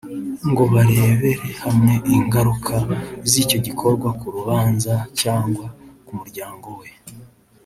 ngo barebere hamwe ingaruka z’icyo gikorwa ku rubanza cyangwa ku muryango we